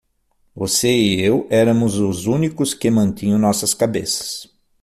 Você e eu éramos os únicos que mantinham nossas cabeças.